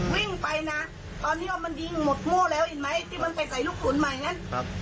วิ่งไปนะตอนที่ว่ามันยิงหมดโม่แล้วเห็นไหมที่มันไปใส่ลูกตุ๋นมาอย่างนั้นครับ